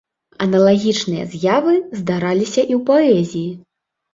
Аналагічныя з'явы здараліся і ў паэзіі.